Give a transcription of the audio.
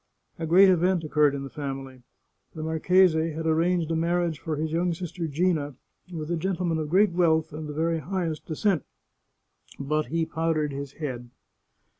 A great event occurred in the family. The marchese had ar ranged a marriage for his young sister Gina with a gentle man of great wealth and the very highest descent. But he powdered his head.